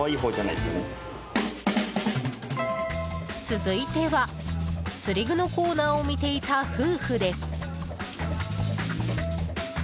続いては、釣り具のコーナーを見ていた夫婦です。